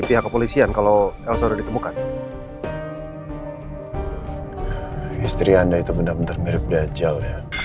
istri anda itu benar benar mirip dajjal